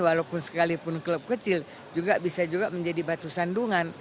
walaupun sekalipun klub kecil juga bisa juga menjadi batu sandungan